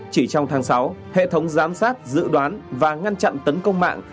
chỉ trong tháng sáu hệ thống giám sát dự đoán và ngăn chặn tấn công mạng